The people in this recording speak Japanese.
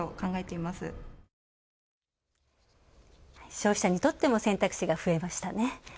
消費者にとっても選択肢が増えましたね。